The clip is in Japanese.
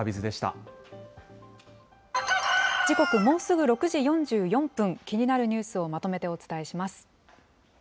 時刻、もうすぐ６時４４分、気になるニュースをまとめてお伝えします。